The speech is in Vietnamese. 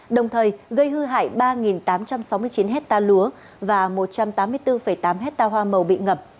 đồng thời gây hư hại ba tám trăm sáu mươi chín hectare lúa và một trăm tám mươi bốn tám hectare hoa màu bị ngập